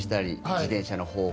自転車のほうが。